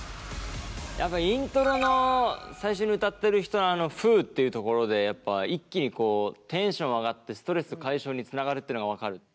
何かイントロの最初に歌ってる人の「Ｗｏｏ」っていうところでやっぱ一気にこうテンション上がってストレス解消につながるっていうのがわかる。